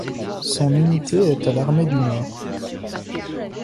Son unité est à l’armée du Nord.